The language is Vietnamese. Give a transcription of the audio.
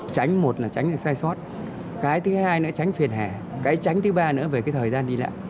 tránh một là tránh được sai sót cái thứ hai nữa tránh phiền hạ cái tránh thứ ba nữa về cái thời gian đi lại